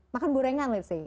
gak pernah senang let's say